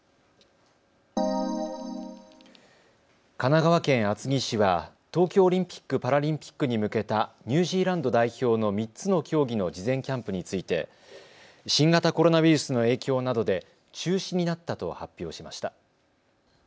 神奈川県厚木市は東京オリンピック・パラリンピックに向けたニュージーランド代表の３つの競技の事前キャンプについて新型コロナウイルスの影響などで中止になったと発表しました。